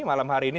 malam hari ini